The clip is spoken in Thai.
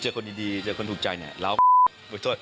เจอคนดีเจอคนถูกใจเนี่ย